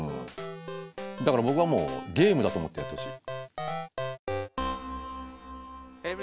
だから僕はもうゲームだと思ってやってほしい。